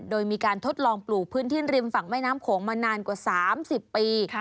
โดยมีการทดลองปลูกพื้นที่ริมฝั่งแม่น้ำโขงมานานกว่า๓๐ปี